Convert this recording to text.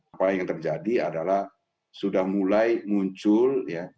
apalagi yang terjadi adalah sudah mulai muncul